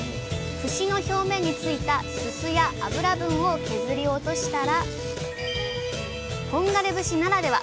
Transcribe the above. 節の表面についたススや脂分を削り落としたら本枯節ならでは！